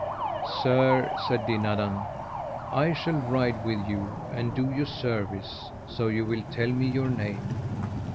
Sir, said Dinadan, I shall ride with you and do you service, so you will tell me your name.